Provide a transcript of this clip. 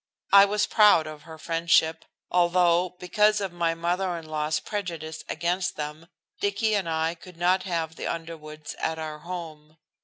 I was proud of her friendship, although, because of my mother in law's prejudice against them, Dicky and I could not have the Underwoods at our home.